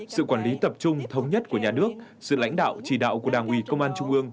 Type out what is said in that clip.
sự quản lý tập trung thống nhất của nhà nước sự lãnh đạo chỉ đạo của đảng ủy công an trung ương